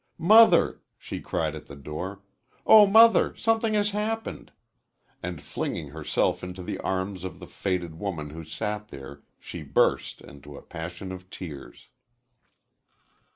"Mother!" she cried at the door, "Oh, Mother! Something has happened!" and, flinging herself into the arms of the faded woman who sat there, she burst into a passion of tears.